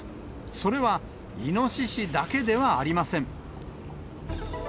それはイノシシだけではありません。